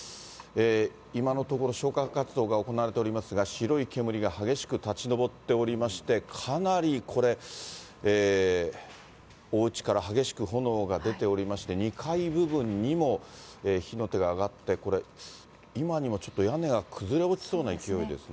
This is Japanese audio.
今のところ、消火活動が行われておりますが、白い煙が激しく立ち上っておりまして、かなりこれ、おうちから激しく炎が出ておりまして、２階部分にも火の手が上がって、これ、今にもちょっと屋根が崩れ落ちそうな勢いですね。